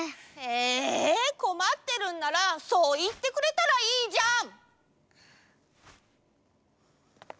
えこまってるんならそういってくれたらいいじゃん！